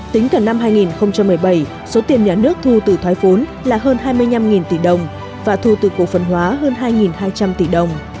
tính cả năm hai nghìn một mươi bảy số tiền nhà nước thu từ thoái vốn là hơn hai mươi năm tỷ đồng và thu từ cổ phần hóa hơn hai hai trăm linh tỷ đồng